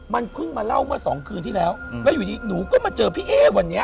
มันเพิ่งมาเล่าเมื่อสองคืนที่แล้วแล้วอยู่ดีหนูก็มาเจอพี่เอ๊วันนี้